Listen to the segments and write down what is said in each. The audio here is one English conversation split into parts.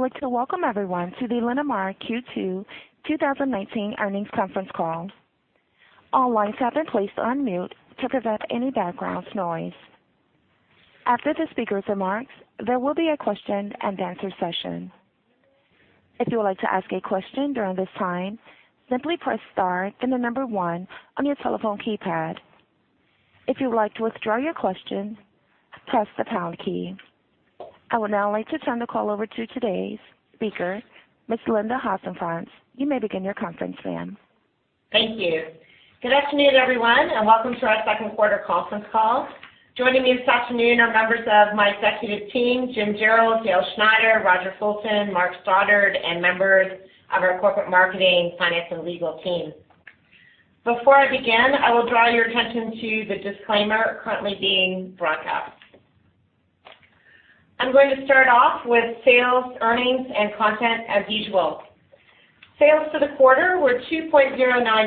I would like to welcome everyone to the Linamar Q2 2019 Earnings Conference Call. All lines have been placed on mute to prevent any background noise. After the speaker's remarks, there will be a question-and-answer session. If you would like to ask a question during this time, simply press star and then number one on your telephone keypad. If you would like to withdraw your question, press the pound key. I would now like to turn the call over to today's speaker, Ms. Linda Hasenfratz. You may begin your conference, ma'am. Thank you. Good afternoon, everyone, and welcome to our second quarter conference call. Joining me this afternoon are members of my executive team, Jim Jarrell, Dale Schneider, Roger Fulton, Mark Stoddart, and members of our corporate marketing, finance, and legal team. Before I begin, I will draw your attention to the disclaimer currently being brought up. I'm going to start off with sales earnings and content as usual. Sales for the quarter were $2.09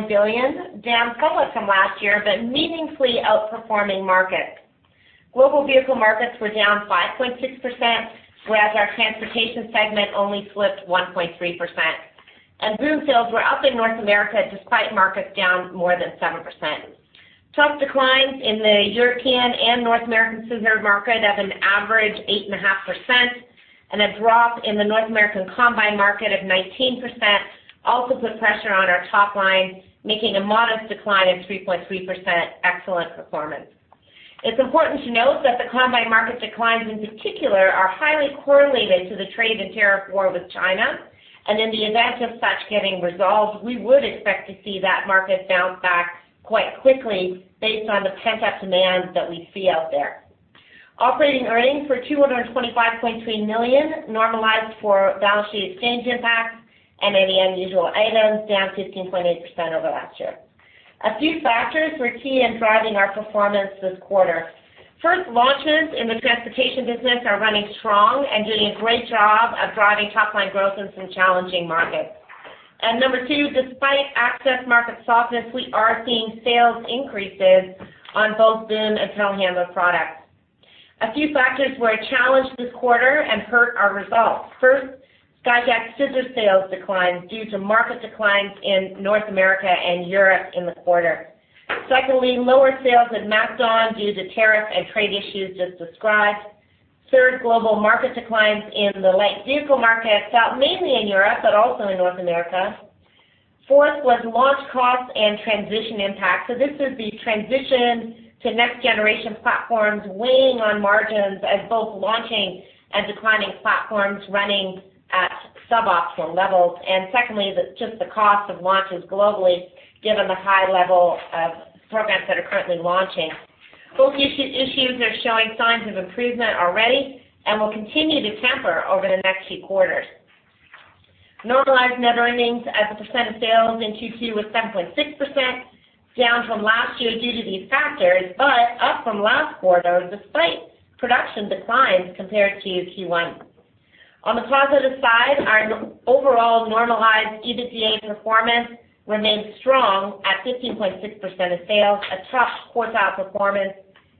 billion, down somewhat from last year but meaningfully outperforming markets. Global vehicle markets were down 5.6%, whereas our transportation segment only slipped 1.3%. Boom sales were up in North America despite markets down more than 7%. Tough declines in the European and North American scissor market of an average 8.5% and a drop in the North American combine market of 19% also put pressure on our top line, making a modest decline of 3.3% excellent performance. It's important to note that the combine market declines in particular are highly correlated to the trade and tariff war with China, and in the event of such getting resolved, we would expect to see that market bounce back quite quickly based on the pent-up demand that we see out there. Operating earnings were $225.3 million, normalized for balance sheet exchange impacts and any unusual items, down 15.8% over last year. A few factors were key in driving our performance this quarter. First, launches in the transportation business are running strong and doing a great job of driving top-line growth in some challenging markets. Number two, despite access market softness, we are seeing sales increases on both boom and telehandler products. A few factors were a challenge this quarter and hurt our results. First, Skyjack's scissor sales declined due to market declines in North America and Europe in the quarter. Secondly, lower sales at MacDon due to tariff and trade issues just described. Third, global market declines in the light vehicle market felt mainly in Europe but also in North America. Fourth was launch costs and transition impacts. This is the transition to next-generation platforms weighing on margins as both launching and declining platforms running at suboptimal levels. And secondly, just the cost of launches globally given the high level of programs that are currently launching. Both issues are showing signs of improvement already and will continue to temper over the next few quarters. Normalized net earnings as a percent of sales in Q2 was 7.6%, down from last year due to these factors but up from last quarter despite production declines compared to Q1. On the positive side, our overall normalized EBITDA performance remained strong at 15.6% of sales, a top quartile performance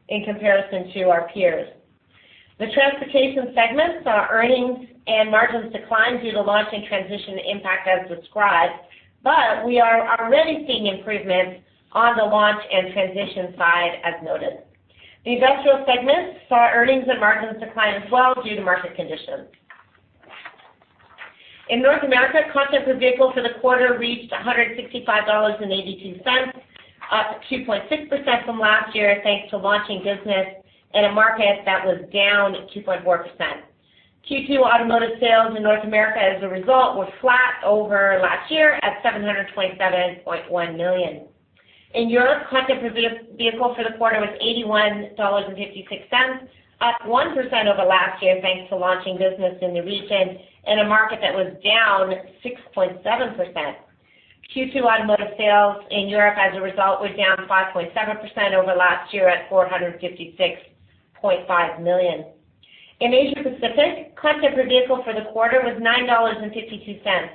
in comparison to our peers. The transportation segment saw earnings and margins decline due to launch and transition impact as described, but we are already seeing improvements on the launch and transition side as noted. The industrial segment saw earnings and margins decline as well due to market conditions. In North America, content per vehicle for the quarter reached $165.82, up 2.6% from last year thanks to launching business in a market that was down 2.4%. Q2 automotive sales in North America as a result were flat over last year at $727.1 million. In Europe, content per vehicle for the quarter was 81.56 dollars, up 1% over last year thanks to launching business in the region in a market that was down 6.7%. Q2 automotive sales in Europe as a result were down 5.7% over last year at 456.5 million. In Asia Pacific, content per vehicle for the quarter was 9.52 dollars,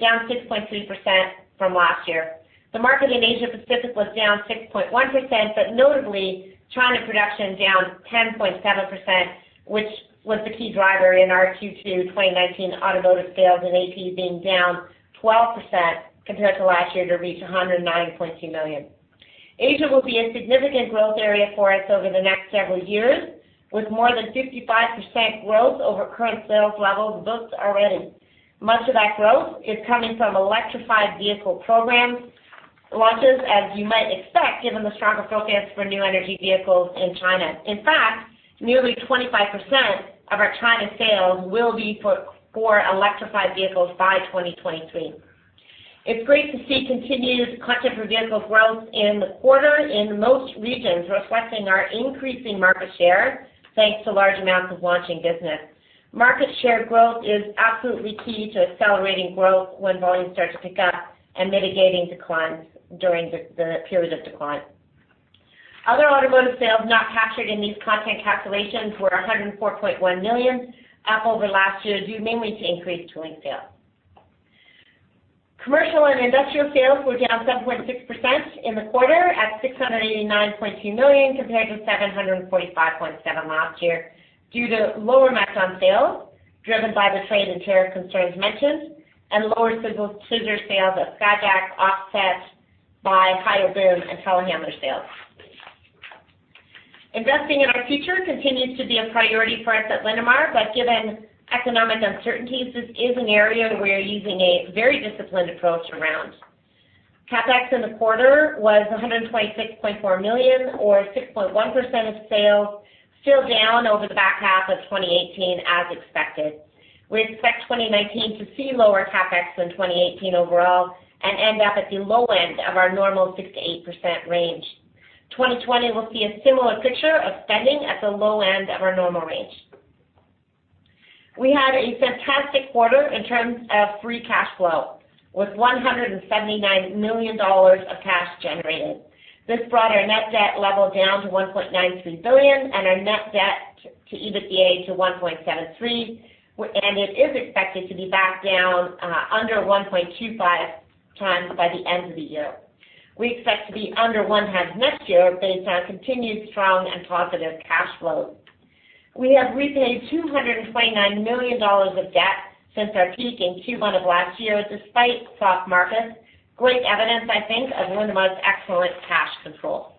down 6.3% from last year. The market in Asia Pacific was down 6.1% but notably, China production down 10.7%, which was the key driver in our Q2 2019 automotive sales in AP being down 12% compared to last year to reach 109.2 million. Asia will be a significant growth area for us over the next several years with more than 55% growth over current sales levels booked already. Much of that growth is coming from electrified vehicle program launches, as you might expect given the stronger focus for new energy vehicles in China. In fact, nearly 25% of our China sales will be for electrified vehicles by 2023. It's great to see continued content per vehicle growth in the quarter in most regions, reflecting our increasing market share thanks to large amounts of launching business. Market share growth is absolutely key to accelerating growth when volumes start to pick up and mitigating declines during the period of decline. Other automotive sales not captured in these content calculations were $104.1 million, up over last year due mainly to increased tooling sales. Commercial and industrial sales were down 7.6% in the quarter at $689.2 million compared to $745.7 last year due to lower MacDon sales driven by the trade and tariff concerns mentioned and lower scissor sales at Skyjack offset by higher boom and telehandler sales. Investing in our future continues to be a priority for us at Linamar, but given economic uncertainties, this is an area we're using a very disciplined approach around. CapEx in the quarter was 126.4 million, or 6.1% of sales, still down over the back half of 2018 as expected. We expect 2019 to see lower CapEx than 2018 overall and end up at the low end of our normal 6%-8% range. 2020 will see a similar picture of spending at the low end of our normal range. We had a fantastic quarter in terms of free cash flow with 179 million dollars of cash generated. This brought our net debt level down to 1.93 billion and our net debt to EBITDA to 1.73, and it is expected to be back down under 1.25 times by the end of the year. We expect to be under 0.5 next year based on continued strong and positive cash flows. We have repaid 229 million dollars of debt since our peak in Q1 of last year despite soft markets, great evidence, I think, of Linamar's excellent cash control.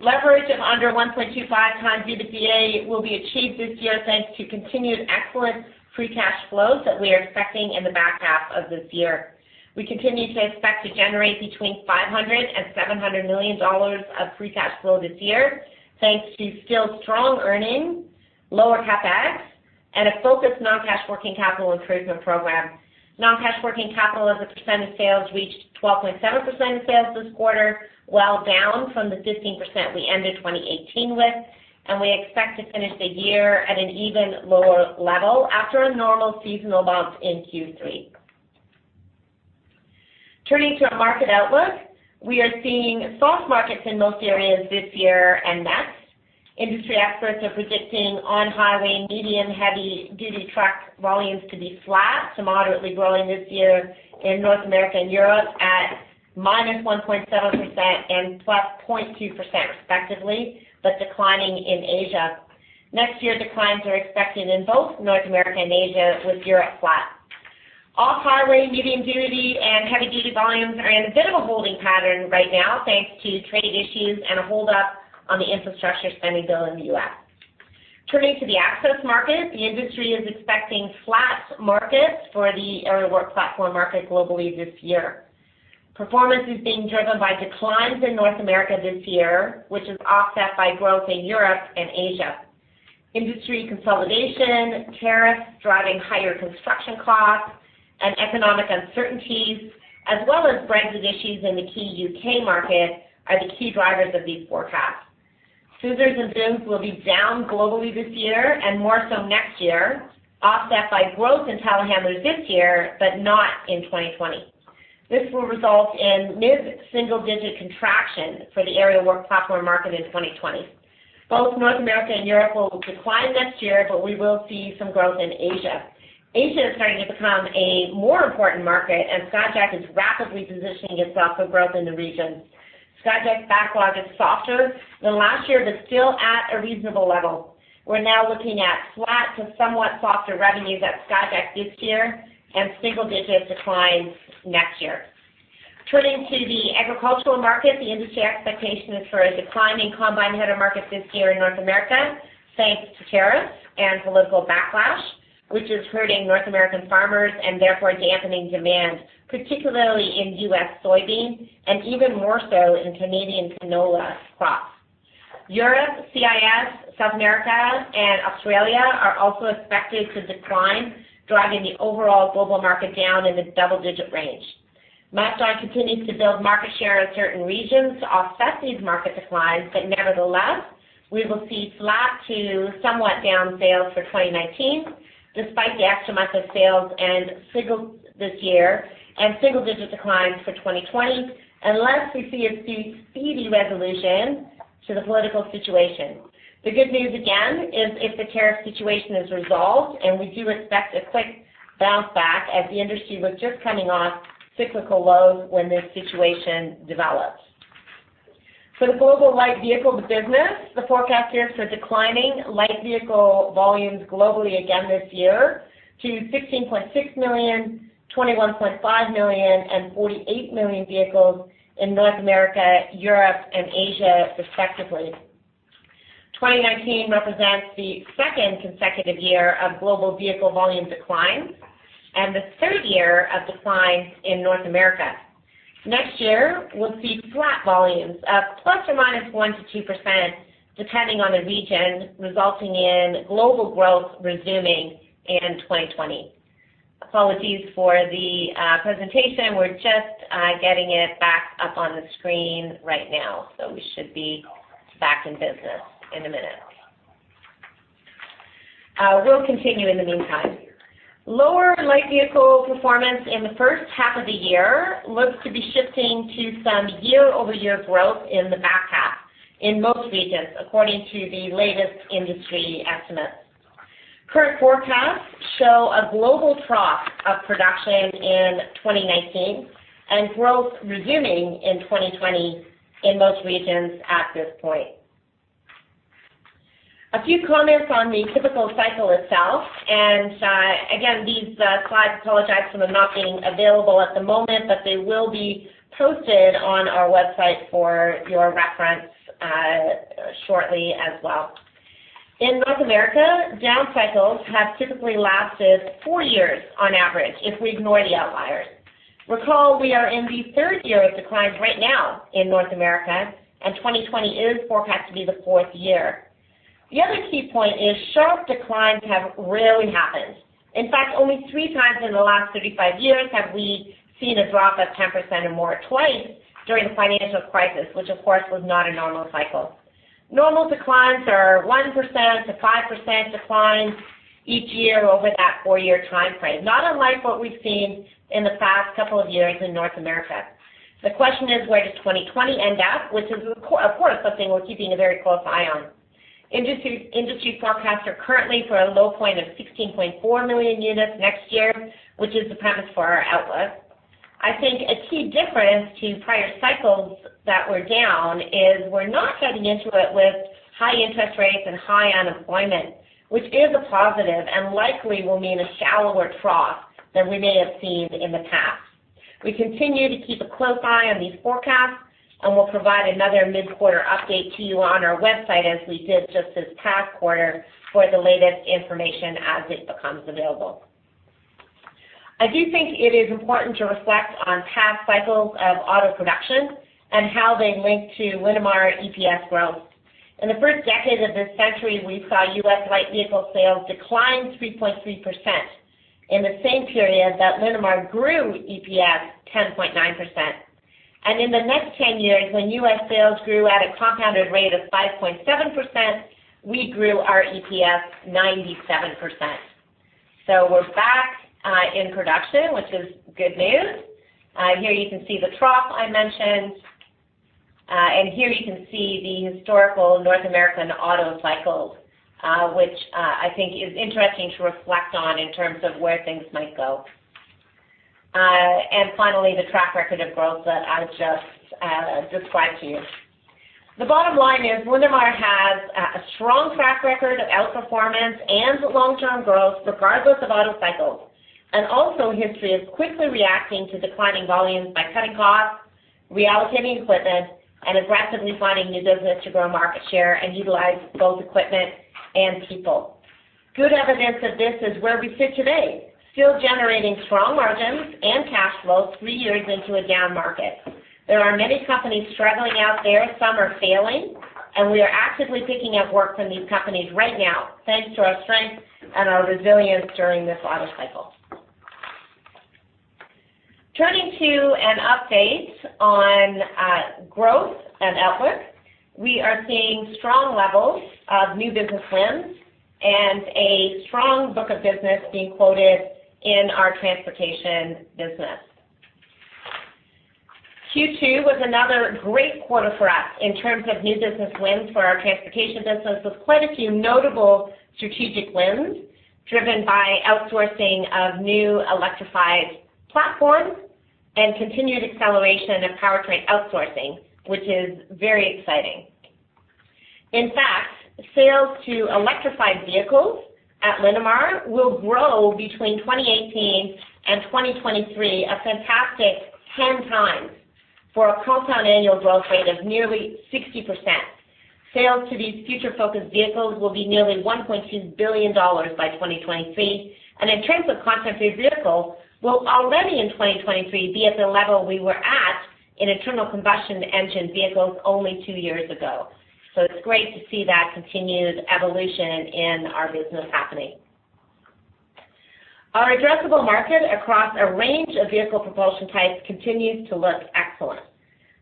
Leverage of under 1.25 times EBITDA will be achieved this year thanks to continued excellent free cash flows that we are expecting in the back half of this year. We continue to expect to generate between 500 million dollars and CAD 700 million of free cash flow this year thanks to still strong earnings, lower CapEx, and a focused non-cash working capital improvement program. Non-cash working capital as a percent of sales reached 12.7% of sales this quarter, well down from the 15% we ended 2018 with, and we expect to finish the year at an even lower level after a normal seasonal bump in Q3. Turning to our market outlook, we are seeing soft markets in most areas this year and next. Industry experts are predicting on-highway medium-heavy-duty truck volumes to be flat to moderately growing this year in North America and Europe at -1.7% and +0.2% respectively, but declining in Asia. Next year, declines are expected in both North America and Asia with Europe flat. Off-highway medium-duty and heavy-duty volumes are in a bit of a holding pattern right now thanks to trade issues and a hold-up on the infrastructure spending bill in the U.S. Turning to the access market, the industry is expecting flat markets for the aerial work platform market globally this year. Performance is being driven by declines in North America this year, which is offset by growth in Europe and Asia. Industry consolidation, tariffs driving higher construction costs, and economic uncertainties, as well as Brexit issues in the key UK market, are the key drivers of these forecasts. Scissors and booms will be down globally this year and more so next year, offset by growth in telehandlers this year but not in 2020. This will result in mid-single-digit contraction for the aerial work platform market in 2020. Both North America and Europe will decline next year, but we will see some growth in Asia. Asia is starting to become a more important market, and Skyjack is rapidly positioning itself for growth in the region. Skyjack's backlog is softer than last year but still at a reasonable level. We're now looking at flat to somewhat softer revenues at Skyjack this year and single-digit declines next year. Turning to the agricultural market, the industry expectation is for a declining combine header market this year in North America thanks to tariffs and political backlash, which is hurting North American farmers and therefore dampening demand, particularly in US soybean and even more so in Canadian canola crops. Europe, CIS, South America, and Australia are also expected to decline, driving the overall global market down in the double-digit range. MacDon continues to build market share in certain regions to offset these market declines, but nevertheless, we will see flat to somewhat down sales for 2019 despite the extra month of sales and single declines for 2020 unless we see a speedy resolution to the political situation. The good news again is if the tariff situation is resolved, and we do expect a quick bounce back as the industry was just coming off cyclical lows when this situation developed. For the global light vehicle business, the forecast here is for declining light vehicle volumes globally again this year to 16.6 million, 21.5 million, and 48 million vehicles in North America, Europe, and Asia respectively. 2019 represents the second consecutive year of global vehicle volume declines and the third year of declines in North America. Next year, we'll see flat volumes of ±1%-2% depending on the region, resulting in global growth resuming in 2020. Apologies for the presentation. We're just getting it back up on the screen right now, so we should be back in business in a minute. We'll continue in the meantime. Lower light vehicle performance in the first half of the year looks to be shifting to some year-over-year growth in the back half in most regions, according to the latest industry estimates. Current forecasts show a global trough of production in 2019 and growth resuming in 2020 in most regions at this point. A few comments on the typical cycle itself, and again, these slides apologize for them not being available at the moment, but they will be posted on our website for your reference shortly as well. In North America, down cycles have typically lasted four years on average if we ignore the outliers. Recall we are in the third year of declines right now in North America, and 2020 is forecast to be the fourth year. The other key point is sharp declines have rarely happened. In fact, only three times in the last 35 years have we seen a drop of 10% or more, twice during the financial crisis, which of course was not a normal cycle. Normal declines are 1%-5% declines each year over that four-year timeframe, not unlike what we've seen in the past couple of years in North America. The question is, where does 2020 end up, which is, of course, something we're keeping a very close eye on. Industry forecasts are currently for a low point of 16.4 million units next year, which is the premise for our outlook. I think a key difference to prior cycles that were down is we're not heading into it with high interest rates and high unemployment, which is a positive and likely will mean a shallower trough than we may have seen in the past. We continue to keep a close eye on these forecasts, and we'll provide another mid-quarter update to you on our website as we did just this past quarter for the latest information as it becomes available. I do think it is important to reflect on past cycles of auto production and how they link to Linamar EPS growth. In the first decade of this century, we saw U.S. light vehicle sales decline 3.3% in the same period that Linamar grew EPS 10.9%. In the next 10 years, when U.S. sales grew at a compounded rate of 5.7%, we grew our EPS 97%. We're back in production, which is good news. Here you can see the trough I mentioned, and here you can see the historical North American auto cycles, which I think is interesting to reflect on in terms of where things might go. Finally, the track record of growth that I just described to you. The bottom line is Linamar has a strong track record of outperformance and long-term growth regardless of auto cycles, and also a history of quickly reacting to declining volumes by cutting costs, reallocating equipment, and aggressively finding new business to grow market share and utilize both equipment and people. Good evidence of this is where we sit today, still generating strong margins and cash flow three years into a down market. There are many companies struggling out there. Some are failing, and we are actively picking up work from these companies right now thanks to our strength and our resilience during this auto cycle. Turning to an update on growth and outlook, we are seeing strong levels of new business wins and a strong book of business being quoted in our transportation business. Q2 was another great quarter for us in terms of new business wins for our transportation business with quite a few notable strategic wins driven by outsourcing of new electrified platforms and continued acceleration of powertrain outsourcing, which is very exciting. In fact, sales to electrified vehicles at Linamar will grow between 2018 and 2023 a fantastic 10 times for a compound annual growth rate of nearly 60%. Sales to these future-focused vehicles will be nearly $1.2 billion by 2023, and in terms of content per vehicles, we'll already in 2023 be at the level we were at in internal combustion engine vehicles only two years ago. So it's great to see that continued evolution in our business happening. Our addressable market across a range of vehicle propulsion types continues to look excellent.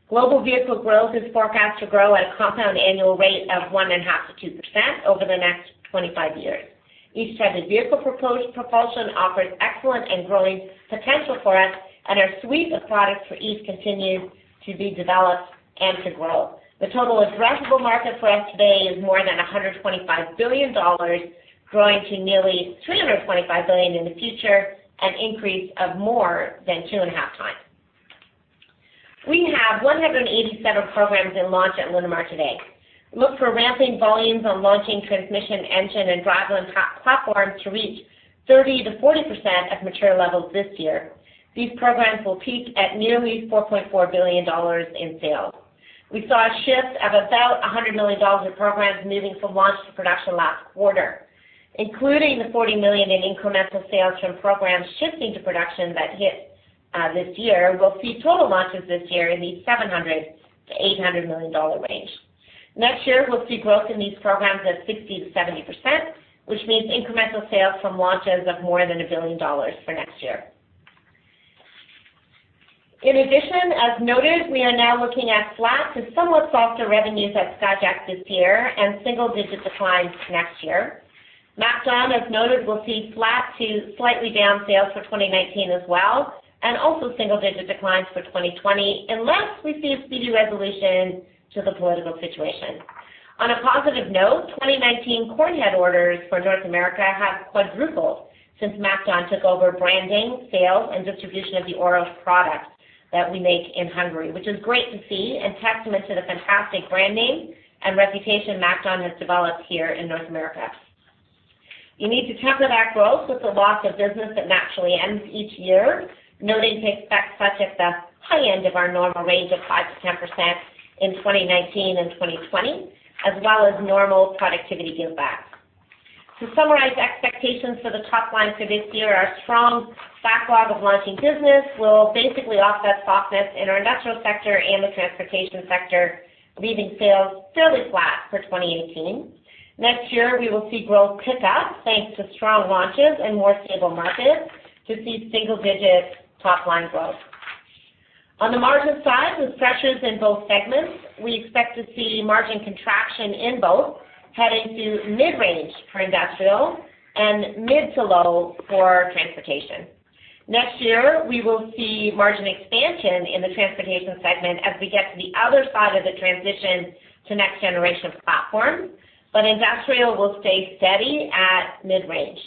Global vehicle growth is forecast to grow at a compound annual rate of 1.5%-2% over the next 25 years. Each type of vehicle propulsion offers excellent and growing potential for us, and our suite of products for each continues to be developed and to grow. The total addressable market for us today is more than $125 billion, growing to nearly $325 billion in the future, an increase of more than two and a half times. We have 187 programs in launch at Linamar today. Look for ramping volumes on launching transmission engine and driveline platforms to reach 30%-40% of material levels this year. These programs will peak at nearly $4.4 billion in sales. We saw a shift of about $100 million in programs moving from launch to production last quarter, including the $40 million in incremental sales from programs shifting to production that hit this year. We'll see total launches this year in the $700 million-$800 million range. Next year, we'll see growth in these programs of 60%-70%, which means incremental sales from launches of more than $1 billion for next year. In addition, as noted, we are now looking at flat to somewhat softer revenues at Skyjack this year and single-digit declines next year. MacDon, as noted, we'll see flat to slightly down sales for 2019 as well, and also single-digit declines for 2020 unless we see a speedy resolution to the political situation. On a positive note, 2019 corn head orders for North America have quadrupled since MacDon took over branding, sales, and distribution of the OROS products products that we make in Hungary, which is great to see and testament to the fantastic brand name and reputation MacDon has developed here in North America. You need to temper that growth with the loss of business that naturally ends each year, noting to expect such at the high end of our normal range of 5%-10% in 2019 and 2020, as well as normal productivity give back. To summarize, expectations for the top line for this year, our strong backlog of launching business will basically offset softness in our industrial sector and the transportation sector, leaving sales fairly flat for 2018. Next year, we will see growth pick up thanks to strong launches and more stable markets to see single-digit top line growth. On the margin side, with pressures in both segments, we expect to see margin contraction in both, heading to mid-range for industrial and mid to low for transportation. Next year, we will see margin expansion in the transportation segment as we get to the other side of the transition to next generation platforms, but industrial will stay steady at mid-range.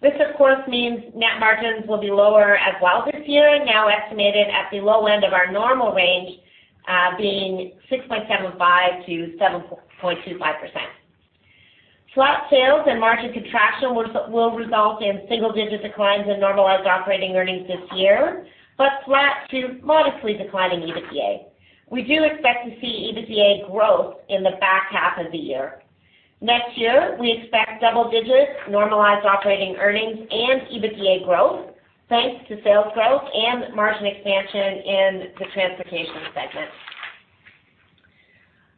This, of course, means net margins will be lower as well this year, now estimated at the low end of our normal range being 6.75%-7.25%. Flat sales and margin contraction will result in single-digit declines in normalized operating earnings this year, but flat to modestly declining EBITDA. We do expect to see EBITDA growth in the back half of the year. Next year, we expect double-digit normalized operating earnings and EBITDA growth thanks to sales growth and margin expansion in the transportation segment.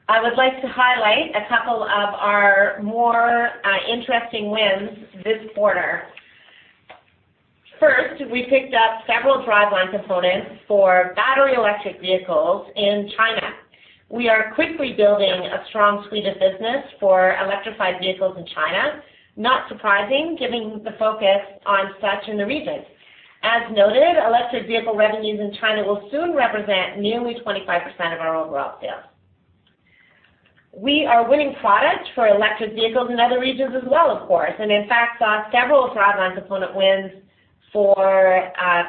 I would like to highlight a couple of our more interesting wins this quarter. First, we picked up several driveline components for battery electric vehicles in China. We are quickly building a strong suite of business for electrified vehicles in China, not surprising given the focus on such in the region. As noted, electric vehicle revenues in China will soon represent nearly 25% of our overall sales. We are winning products for electric vehicles in other regions as well, of course, and in fact, saw several driveline component wins for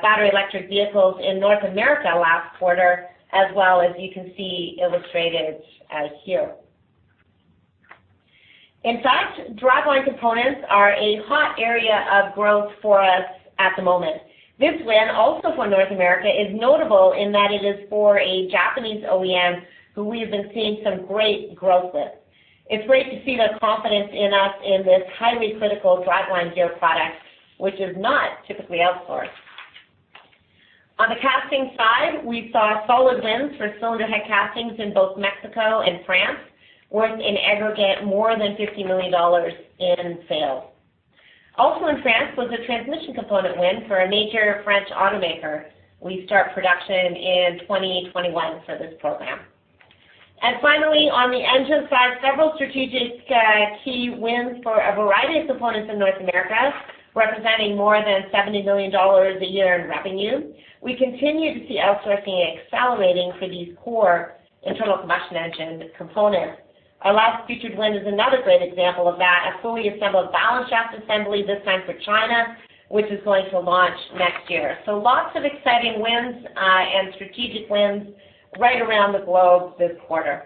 battery electric vehicles in North America last quarter, as well as you can see illustrated here. In fact, driveline components are a hot area of growth for us at the moment. This win, also for North America, is notable in that it is for a Japanese OEM who we have been seeing some great growth with. It's great to see their confidence in us in this highly critical driveline gear product, which is not typically outsourced. On the casting side, we saw solid wins for cylinder head castings in both Mexico and France, worth in aggregate more than $50 million in sales. Also in France was a transmission component win for a major French automaker. We start production in 2021 for this program. And finally, on the engine side, several strategic key wins for a variety of components in North America, representing more than $70 million a year in revenue. We continue to see outsourcing accelerating for these core internal combustion engine components. Our last featured win is another great example of that, a fully assembled balance shaft assembly, this time for China, which is going to launch next year. So lots of exciting wins and strategic wins right around the globe this quarter.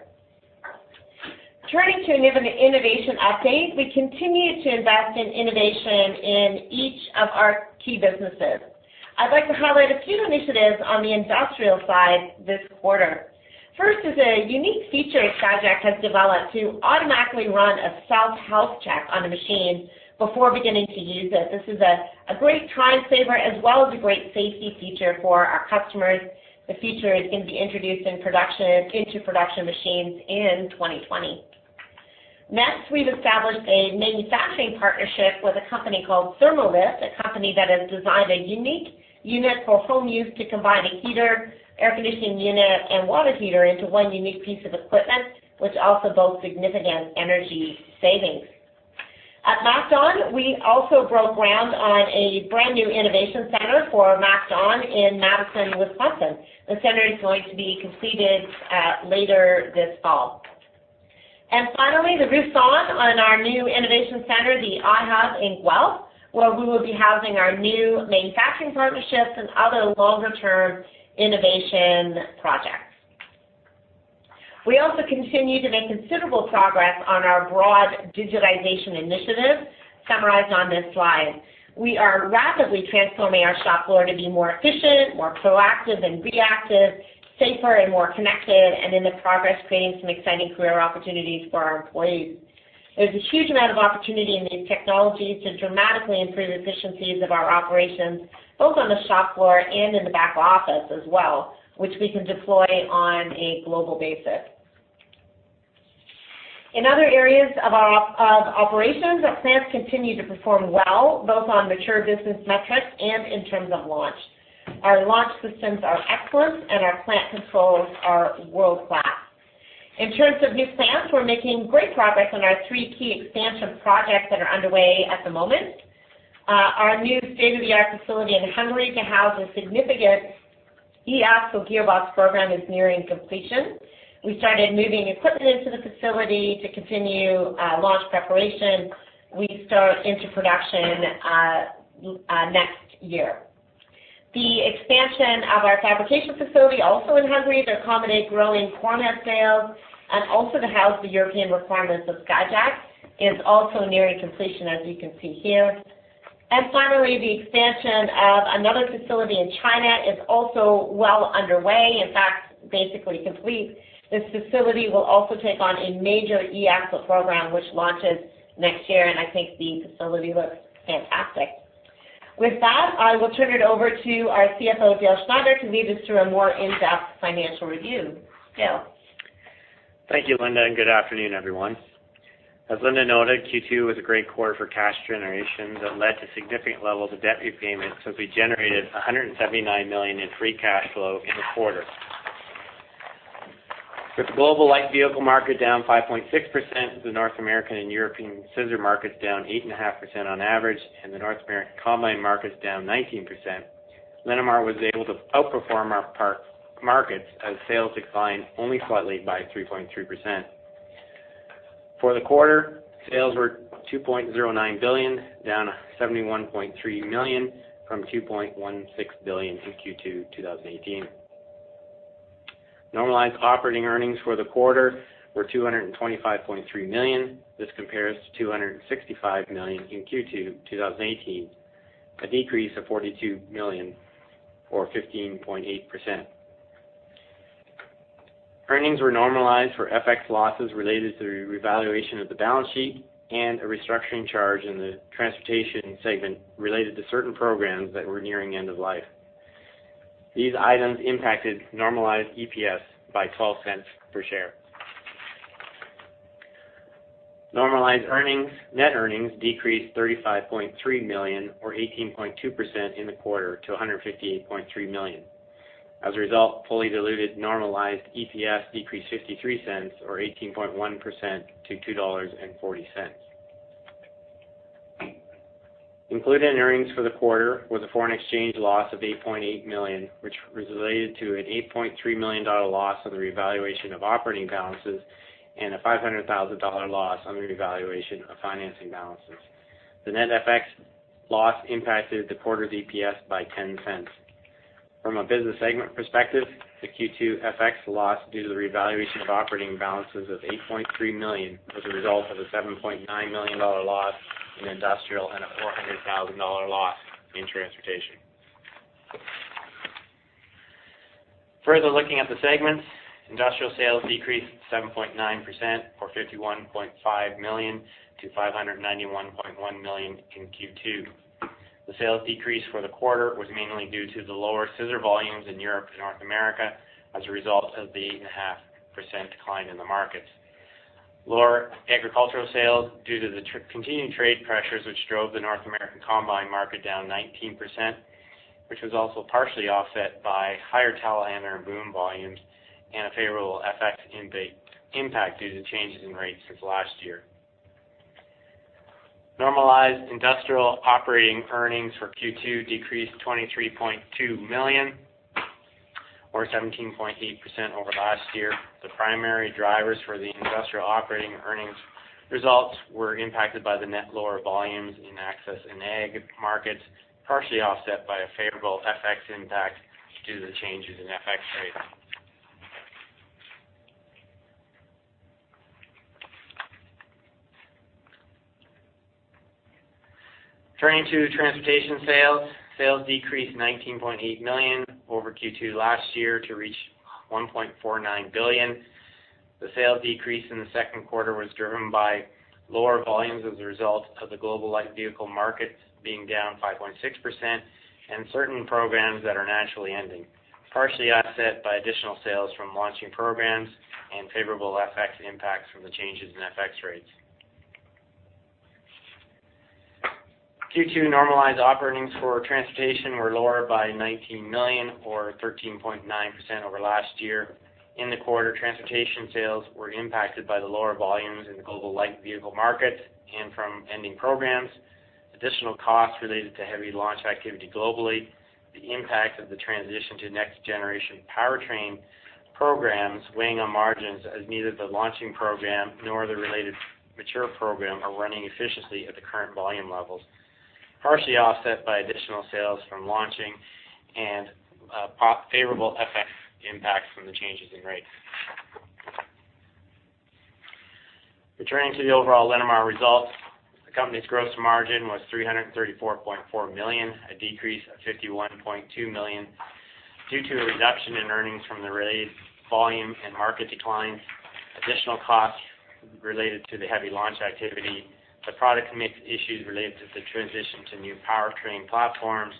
Turning to an innovation update, we continue to invest in innovation in each of our key businesses. I'd like to highlight a few initiatives on the industrial side this quarter. First is a unique feature Skyjack has developed to automatically run a self-health check on a machine before beginning to use it. This is a great time saver as well as a great safety feature for our customers. The feature is going to be introduced into production machines in 2020. Next, we've established a manufacturing partnership with a company called ThermoLift, a company that has designed a unique unit for home use to combine a heater, air conditioning unit, and water heater into one unique piece of equipment, which also boasts significant energy savings. At MacDon, we also broke ground on a brand new innovation center for MacDon in Madison, Wisconsin. The center is going to be completed later this fall. And finally, the roof's on our new innovation center, the iHub in Guelph, where we will be housing our new manufacturing partnerships and other longer-term innovation projects. We also continue to make considerable progress on our broad digitization initiative summarized on this slide. We are rapidly transforming our shop floor to be more efficient, more proactive and reactive, safer and more connected, and in the progress, creating some exciting career opportunities for our employees. There's a huge amount of opportunity in these technologies to dramatically improve efficiencies of our operations, both on the shop floor and in the back office as well, which we can deploy on a global basis. In other areas of operations, our plants continue to perform well, both on mature business metrics and in terms of launch. Our launch systems are excellent, and our plant controls are world-class. In terms of new plants, we're making great progress on our three key expansion projects that are underway at the moment. Our new state-of-the-art facility in Hungary to house a significant e-Axle gearbox program is nearing completion. We started moving equipment into the facility to continue launch preparation. We start into production next year. The expansion of our fabrication facility also in Hungary to accommodate growing corn head sales and also to house the European requirements of Skyjack is also nearing completion, as you can see here. And finally, the expansion of another facility in China is also well underway, in fact, basically complete. This facility will also take on a major e-Axle program, which launches next year, and I think the facility looks fantastic. With that, I will turn it over to our CFO, Dale Schneider, to lead us through a more in-depth financial review. Dale. Thank you, Linda, and good afternoon, everyone. As Linda noted, Q2 was a great quarter for cash generation that led to significant levels of debt repayment, since we generated 179 million in free cash flow in the quarter. With the global light vehicle market down 5.6%, the North American and European scissor markets down 8.5% on average, and the North American combine markets down 19%, Linamar was able to outperform our markets as sales declined only slightly by 3.3%. For the quarter, sales were 2.09 billion, down 71.3 million from 2.16 billion in Q2 2018. Normalized operating earnings for the quarter were 225.3 million. This compares to 265 million in Q2 2018, a decrease of 42 million or 15.8%. Earnings were normalized for FX losses related to the revaluation of the balance sheet and a restructuring charge in the transportation segment related to certain programs that were nearing end of life. These items impacted normalized EPS by $0.12 per share. Net earnings decreased $35.3 million or 18.2% in the quarter to $158.3 million. As a result, fully diluted normalized EPS decreased $0.53 or 18.1% to $2.40. Included in earnings for the quarter was a foreign exchange loss of $8.8 million, which was related to an $8.3 million loss on the revaluation of operating balances and a $500,000 loss on the revaluation of financing balances. The net FX loss impacted the quarter's EPS by $0.10. From a business segment perspective, the Q2 FX loss due to the revaluation of operating balances of $8.3 million was a result of a $7.9 million loss in industrial and a $400,000 loss in transportation. Further looking at the segments, industrial sales decreased 7.9% or 51.5 million to 591.1 million in Q2. The sales decrease for the quarter was mainly due to the lower scissor volumes in Europe and North America as a result of the 8.5% decline in the markets. Lower agricultural sales due to the continued trade pressures, which drove the North American combine market down 19%, which was also partially offset by higher telehandler and boom volumes and a favorable FX impact due to changes in rates since last year. Normalized industrial operating earnings for Q2 decreased 23.2 million or 17.8% over last year. The primary drivers for the industrial operating earnings results were impacted by the net lower volumes in access and ag markets, partially offset by a favorable FX impact due to the changes in FX rates. Turning to transportation sales, sales decreased 19.8 million over Q2 last year to reach 1.49 billion. The sales decrease in the second quarter was driven by lower volumes as a result of the global light vehicle markets being down 5.6% and certain programs that are naturally ending, partially offset by additional sales from launching programs and favorable FX impacts from the changes in FX rates. Q2 normalized operating for transportation were lower by 19 million or 13.9% over last year. In the quarter, transportation sales were impacted by the lower volumes in the global light vehicle markets and from ending programs, additional costs related to heavy launch activity globally, the impact of the transition to next generation powertrain programs weighing on margins as neither the launching program nor the related mature program are running efficiently at the current volume levels, partially offset by additional sales from launching and favorable FX impacts from the changes in rates. Returning to the overall Linamar results, the company's gross margin was 334.4 million, a decrease of 51.2 million due to a reduction in earnings from the lower volume and market declines, additional costs related to the heavy launch activity. The production ramp issues related to the transition to new powertrain platforms,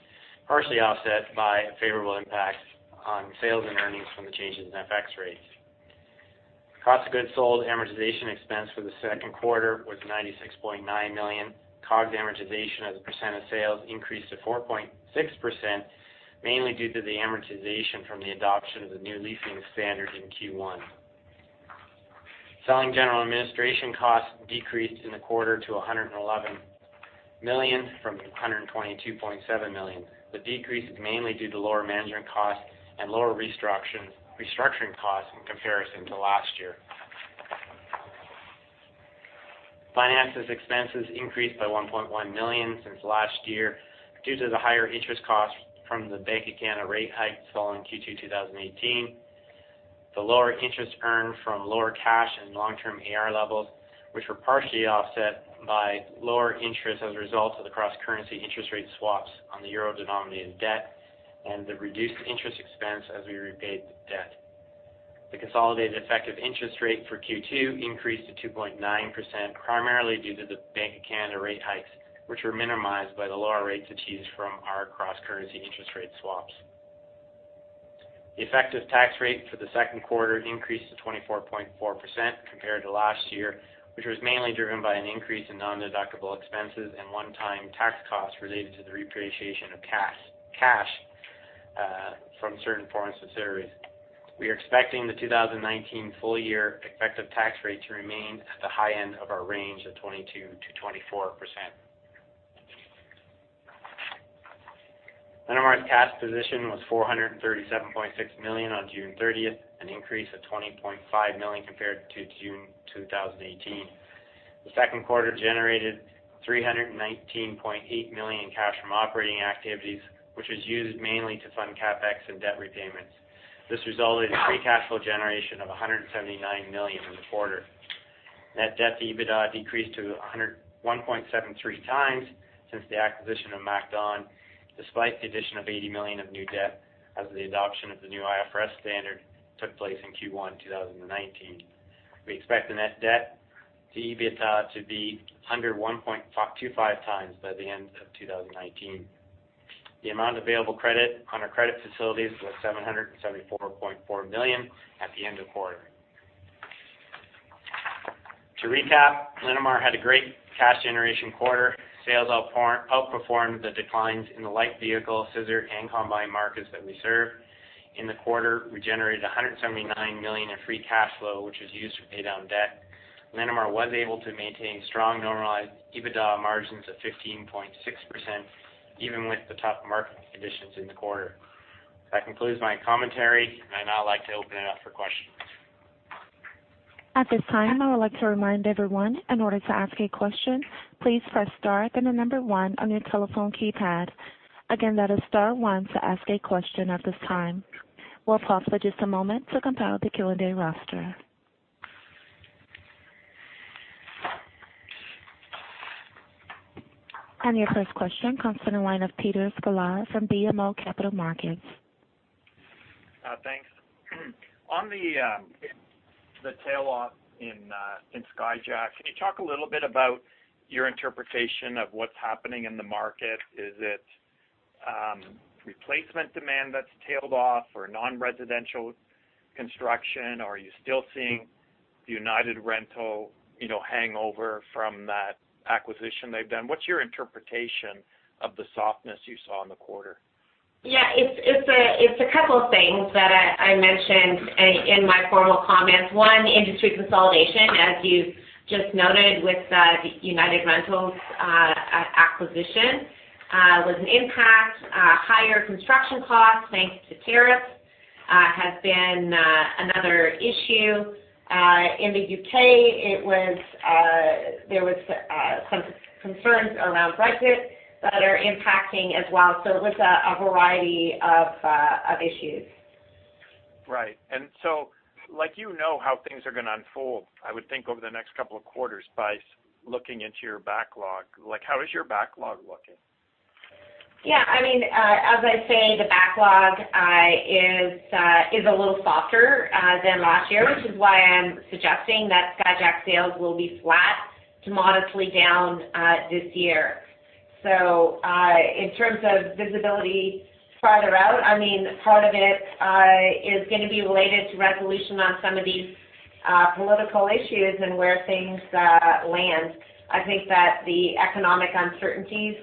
partially offset by favorable impacts on sales and earnings from the changes in FX rates. Cost of goods sold amortization expense for the second quarter was 96.9 million. COGS amortization as a percent of sales increased to 4.6%, mainly due to the amortization from the adoption of the new leasing standard in Q1. Selling general administration costs decreased in the quarter to 111 million from 122.7 million. The decrease is mainly due to lower management costs and lower restructuring costs in comparison to last year. Finance expenses increased by 1.1 million since last year due to the higher interest costs from the Bank of Canada rate hikes following Q2 2018. The lower interest earned from lower cash and long-term AR levels, which were partially offset by lower interest as a result of the cross-currency interest rate swaps on the euro-denominated debt and the reduced interest expense as we repaid the debt. The consolidated effective interest rate for Q2 increased to 2.9%, primarily due to the Bank of Canada rate hikes, which were minimized by the lower rates achieved from our cross-currency interest rate swaps. The effective tax rate for the second quarter increased to 24.4% compared to last year, which was mainly driven by an increase in non-deductible expenses and one-time tax costs related to the repatriation of cash from certain foreign subsidiaries. We are expecting the 2019 full-year effective tax rate to remain at the high end of our range of 22%-24%. Linamar's cash position was $437.6 million on June 30th, an increase of $20.5 million compared to June 2018. The second quarter generated $319.8 million in cash from operating activities, which was used mainly to fund CapEx and debt repayments. This resulted in free cash flow generation of $179 million in the quarter. Net debt to EBITDA decreased to 1.73 times since the acquisition of MacDon, despite the addition of $80 million of new debt as the adoption of the new IFRS standard took place in Q1 2019. We expect the net debt to EBITDA to be under 1.25 times by the end of 2019. The amount available credit on our credit facilities was $774.4 million at the end of quarter. To recap, Linamar had a great cash generation quarter. Sales outperformed the declines in the light vehicle, scissor, and combine markets that we served. In the quarter, we generated $179 million in free cash flow, which was used to pay down debt. Linamar was able to maintain strong normalized EBITDA margins of 15.6%, even with the tough market conditions in the quarter. That concludes my commentary, and I now like to open it up for questions. At this time, I would like to remind everyone, in order to ask a question, please press star then the number one on your telephone keypad. Again, that is star one to ask a question at this time. We'll pause for just a moment to compile the Q&A roster. Your first question from Peter Sklar from BMO Capital Markets. Thanks. On the tail off in Skyjack, can you talk a little bit about your interpretation of what's happening in the market? Is it replacement demand that's tailed off or non-residential construction? Are you still seeing the United Rentals hangover from that acquisition they've done? What's your interpretation of the softness you saw in the quarter? Yeah, it's a couple of things that I mentioned in my formal comments. One, industry consolidation, as you've just noted with the United Rentals acquisition, was an impact. Higher construction costs thanks to tariffs has been another issue. In the UK, there were some concerns around Brexit that are impacting as well. So it was a variety of issues. Right. And so you know how things are going to unfold, I would think, over the next couple of quarters by looking into your backlog. How is your backlog looking? Yeah. I mean, as I say, the backlog is a little softer than last year, which is why I'm suggesting that Skyjack sales will be flat to modestly down this year. So in terms of visibility farther out, I mean, part of it is going to be related to resolution on some of these political issues and where things land. I think that the economic uncertainties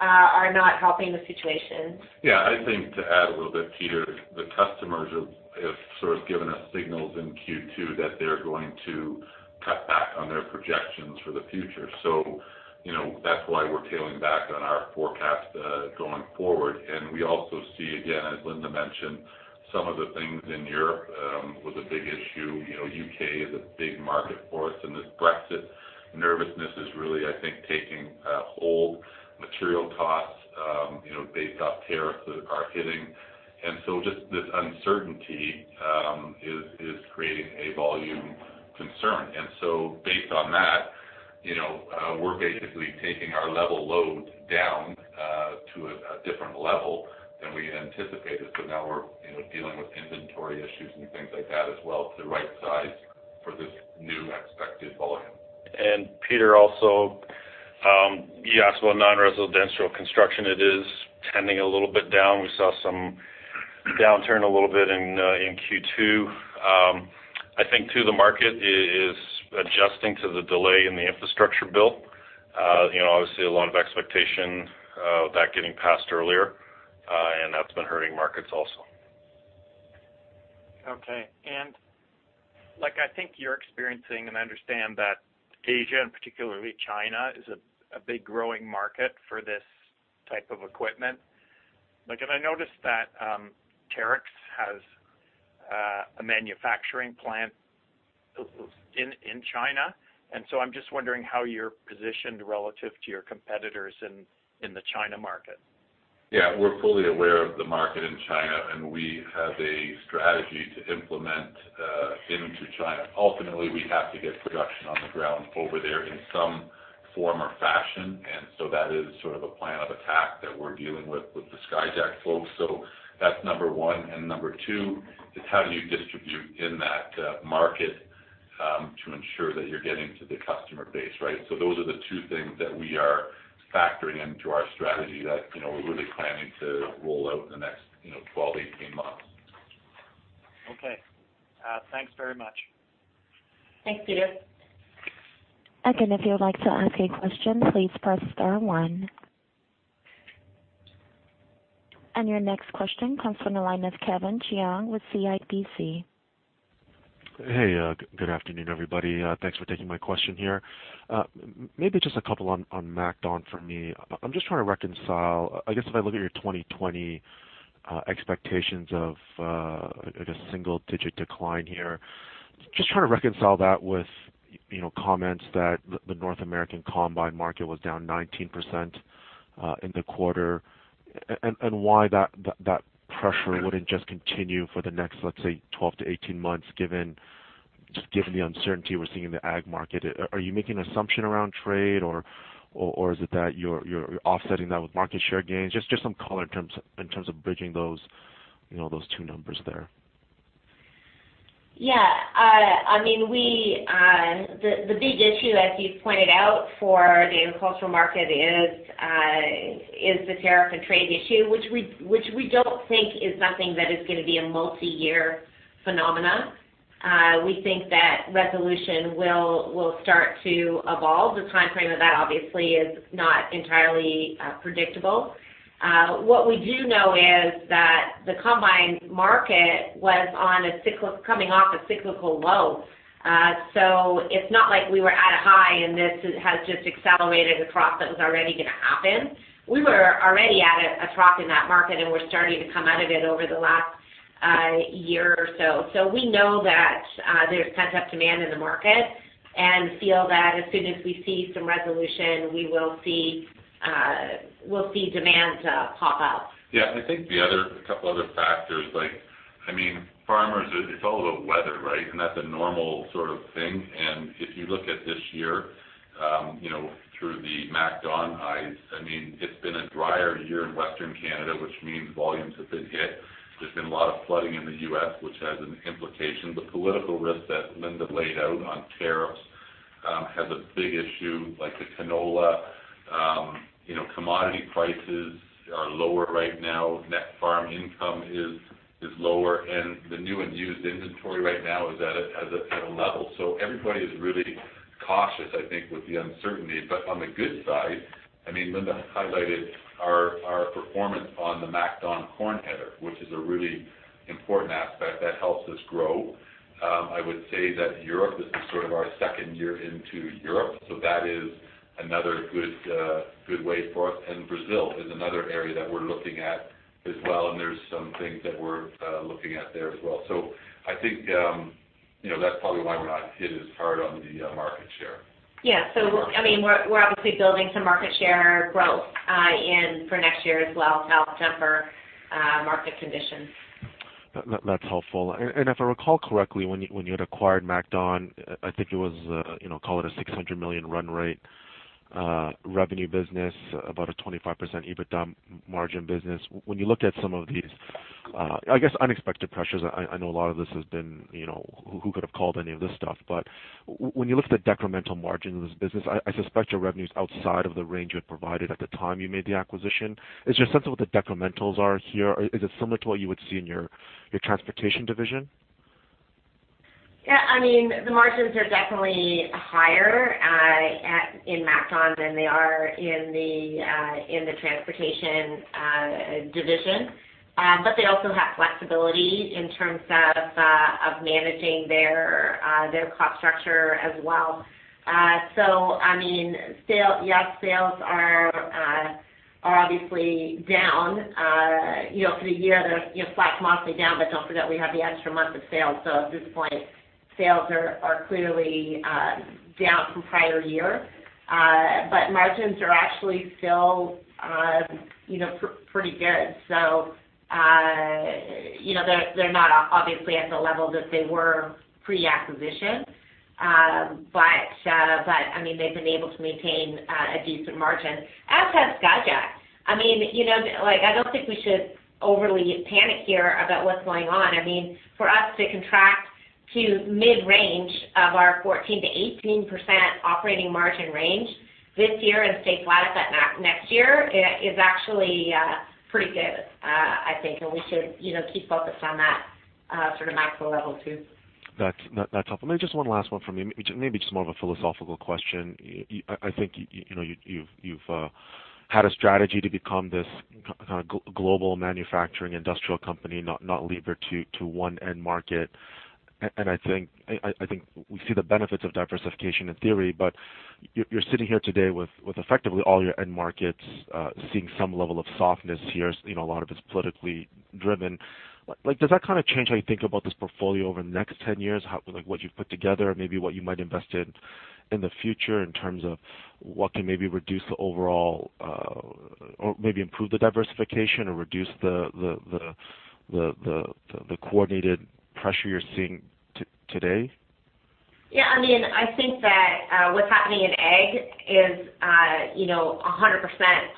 are not helping the situation. Yeah. I think to add a little bit, Peter, the customers have sort of given us signals in Q2 that they're going to cut back on their projections for the future. So that's why we're scaling back on our forecast going forward. We also see, again, as Linda mentioned, some of the things in Europe were the big issue. UK is a big market for us, and this Brexit nervousness is really, I think, taking hold. Material costs based off tariffs are hitting. Just this uncertainty is creating a volume concern. Based on that, we're basically taking our level load down to a different level than we anticipated. Now we're dealing with inventory issues and things like that as well to right size for this new expected volume. Peter, also, you asked about non-residential construction. It is trending a little bit down. We saw some downturn a little bit in Q2. I think too, the market is adjusting to the delay in the infrastructure bill. Obviously, a lot of expectation of that getting passed earlier, and that's been hurting markets also. Okay. And I think you're experiencing, and I understand that Asia and particularly China is a big growing market for this type of equipment. And I noticed that Terex has a manufacturing plant in China. And so I'm just wondering how you're positioned relative to your competitors in the China market. Yeah. We're fully aware of the market in China, and we have a strategy to implement into China. Ultimately, we have to get production on the ground over there in some form or fashion. And so that is sort of a plan of attack that we're dealing with with the Skyjack folks. So that's number one. Number two is how do you distribute in that market to ensure that you're getting to the customer base, right? So those are the two things that we are factoring into our strategy that we're really planning to roll out in the next 12, 18 months. Okay. Thanks very much. Thanks, Peter. Again, if you would like to ask a question, please press star one. Your next question comes from the line of Kevin Chiang with CIBC. Hey, good afternoon, everybody. Thanks for taking my question here. Maybe just a couple on MacDon for me. I'm just trying to reconcile, I guess, if I look at your 2020 expectations of, I guess, single-digit decline here. Just trying to reconcile that with comments that the North American combine market was down 19% in the quarter and why that pressure wouldn't just continue for the next, let's say, 12-18 months just given the uncertainty we're seeing in the ag market. Are you making an assumption around trade, or is it that you're offsetting that with market share gains? Just some color in terms of bridging those two numbers there. Yeah. I mean, the big issue, as you've pointed out for the agricultural market, is the tariff and trade issue, which we don't think is something that is going to be a multi-year phenomenon. We think that resolution will start to evolve. The timeframe of that, obviously, is not entirely predictable. What we do know is that the combine market was coming off a cyclical low. So it's not like we were at a high, and this has just accelerated a trough that was already going to happen. We were already at a trough in that market, and we're starting to come out of it over the last year or so. So we know that there's pent-up demand in the market and feel that as soon as we see some resolution, we will see demand pop up. Yeah. I think the other couple of other factors, I mean, farmers, it's all about weather, right? And that's a normal sort of thing. And if you look at this year through the MacDon eyes, I mean, it's been a drier year in Western Canada, which means volumes have been hit. There's been a lot of flooding in the U.S., which has an implication. The political risk that Linda laid out on tariffs has a big issue. The canola commodity prices are lower right now. Net farm income is lower. The new and used inventory right now is at a level. So everybody is really cautious, I think, with the uncertainty. But on the good side, I mean, Linda highlighted our performance on the MacDon corn header, which is a really important aspect that helps us grow. I would say that Europe, this is sort of our second year into Europe. So that is another good way for us. And Brazil is another area that we're looking at as well. And there's some things that we're looking at there as well. So I think that's probably why we're not hit as hard on the market share. Yeah. So I mean, we're obviously building some market share growth for next year as well to help temper market conditions. That's helpful. And if I recall correctly, when you had acquired MacDon, I think it was, call it a 600 million run rate revenue business, about a 25% EBITDA margin business. When you look at some of these, I guess, unexpected pressures, I know a lot of this has been who could have called any of this stuff. But when you look at the decremental margins of this business, I suspect your revenue is outside of the range you had provided at the time you made the acquisition. Is your sense of what the decrementals are here? Is it similar to what you would see in your transportation division? Yeah. I mean, the margins are definitely higher in MacDon than they are in the transportation division. But they also have flexibility in terms of managing their cost structure as well. So I mean, yes, sales are obviously down. For the year, they're flat, mostly down. But don't forget, we have the extra month of sales. So at this point, sales are clearly down from prior year. But margins are actually still pretty good. So they're not obviously at the level that they were pre-acquisition. But I mean, they've been able to maintain a decent margin, as has Skyjack. I mean, I don't think we should overly panic here about what's going on. I mean, for us to contract to mid-range of our 14%-18% operating margin range this year and stay flat at that next year is actually pretty good, I think. And we should keep focused on that sort of macro level too. That's helpful. Maybe just one last one for me. Maybe just more of a philosophical question. I think you've had a strategy to become this kind of global manufacturing industrial company, not leave it to one end market. I think we see the benefits of diversification in theory. But you're sitting here today with effectively all your end markets seeing some level of softness here. A lot of it's politically driven. Does that kind of change how you think about this portfolio over the next 10 years, what you've put together, maybe what you might invest in the future in terms of what can maybe reduce the overall or maybe improve the diversification or reduce the coordinated pressure you're seeing today? Yeah. I mean, I think that what's happening in ag is 100%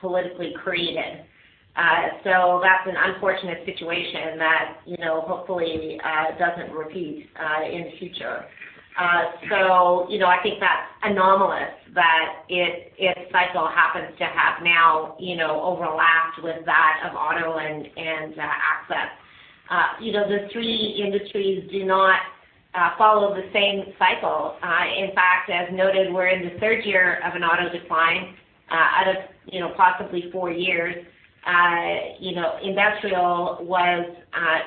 politically created. That's an unfortunate situation that hopefully doesn't repeat in the future. So I think that's anomalous that its cycle happens to have now overlapped with that of auto and access. The three industries do not follow the same cycle. In fact, as noted, we're in the third year of an auto decline out of possibly four years. Industrial was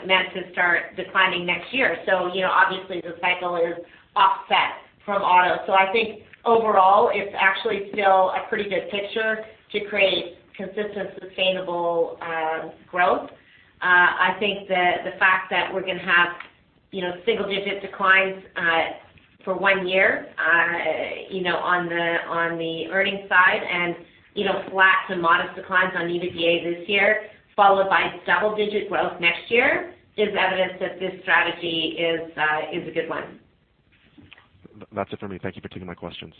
meant to start declining next year. So obviously, the cycle is offset from auto. So I think overall, it's actually still a pretty good picture to create consistent sustainable growth. I think the fact that we're going to have single-digit declines for one year on the earnings side and flat to modest declines on EBITDA this year, followed by double-digit growth next year, is evidence that this strategy is a good one. That's it for me. Thank you for taking my questions.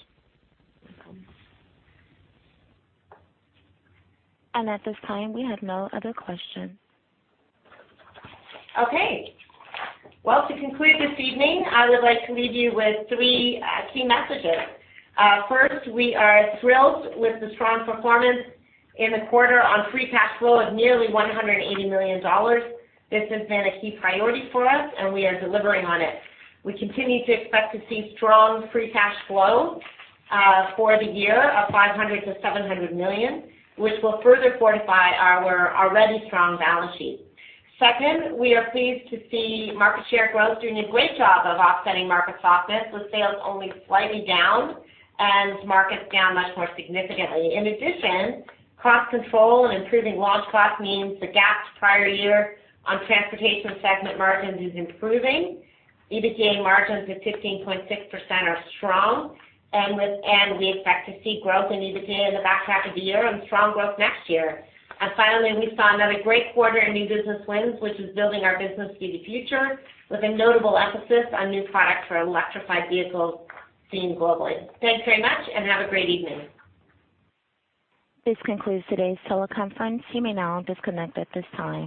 No problem. And at this time, we have no other questions. Okay. Well, to conclude this evening, I would like to leave you with three key messages. First, we are thrilled with the strong performance in the quarter on free cash flow of nearly $180 million. This has been a key priority for us, and we are delivering on it. We continue to expect to see strong free cash flow for the year of $500 million-$700 million, which will further fortify our already strong balance sheet. Second, we are pleased to see market share growth doing a great job of offsetting market softness with sales only slightly down and markets down much more significantly. In addition, cost control and improving launch cost means the gap to prior year on transportation segment margins is improving. EBITDA margins at 15.6% are strong. We expect to see growth in EBITDA in the back half of the year and strong growth next year. Finally, we saw another great quarter in new business wins, which is building our business for the future with a notable emphasis on new products for electrified vehicles seen globally. Thanks very much, and have a great evening. This concludes today's teleconference. You may now disconnect at this time.